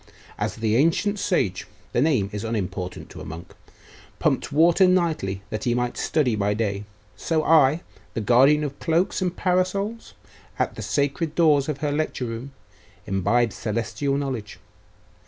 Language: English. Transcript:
As the ancient sage the name is unimportant to a monk pumped water nightly that he might study by day, so I, the guardian of cloaks and parasols, at the sacred doors of her lecture room, imbibe celestial knowledge.